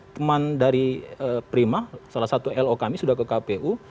teman dari prima salah satu lo kami sudah ke kpu